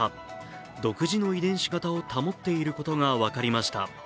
独自の遺伝子型を保っていることが分かりました。